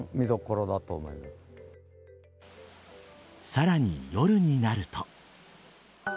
さらに夜になると。